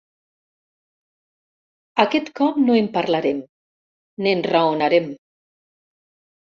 Aquest cop no en parlarem, "n'enraonarem".